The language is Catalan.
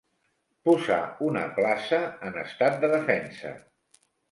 Posar una plaça en estat de defensa.